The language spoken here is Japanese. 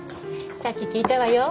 さっき聞いたわよ。